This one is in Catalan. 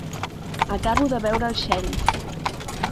Acabo de veure el xèrif.